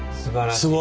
すごい。